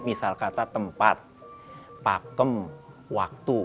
misal kata tempat pakem waktu